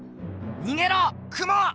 にげろクモ！